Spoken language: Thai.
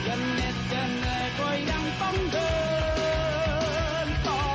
หมายถึงว่าเธอก็อย่างกันของฉัน